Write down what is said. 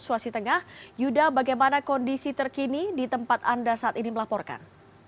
sulawesi tengah yuda bagaimana kondisi terkini di tempat anda saat ini melaporkan